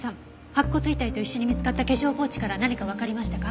白骨遺体と一緒に見つかった化粧ポーチから何かわかりましたか？